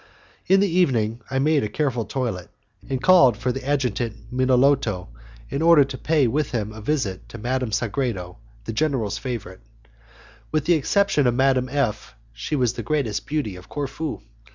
In the evening I made a careful toilet, and called for the Adjutant Minolto in order to pay with him a visit to Madame Sagredo, the general's favourite. With the exception of Madame F she was the greatest beauty of Corfu.